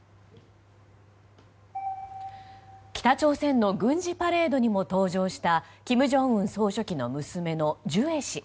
北朝鮮の軍事パレードにも登場した金正恩総書記の娘のジュエ氏。